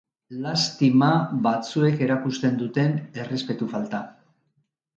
Lastima batzuek erakusten duten errespetu falta.